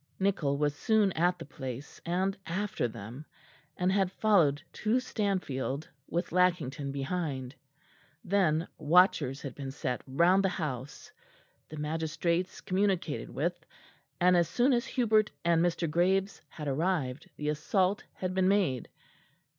Nichol was soon at the place, and after them; and had followed to Stanfield with Lackington behind. Then watchers had been set round the house; the magistrates communicated with; and as soon as Hubert and Mr. Graves had arrived the assault had been made.